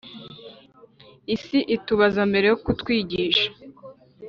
isi itubaza mbere yo kutwigisha